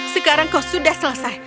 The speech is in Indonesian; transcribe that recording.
sekarang kau sudah selesai